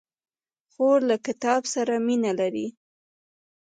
خور له کتاب سره مینه لري.